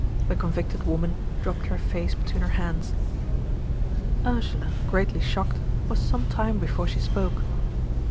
The convicted woman dropped her face between her hands. Ursula, greatly shocked, was some time before she spoke.